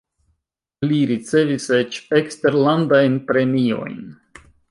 Li ricevis eĉ eksterlandajn premiojn.